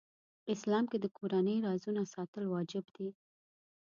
اسلام کې د کورنۍ رازونه ساتل واجب دي .